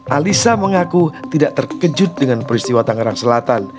alisa mengaku tidak terkejut dengan peristiwa tangerang selatan